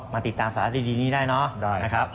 มาติดตามสาหรัฐดีนี้ได้นะ